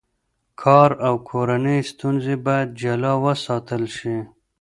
کار او کورنۍ ستونزې باید جلا وساتل شي.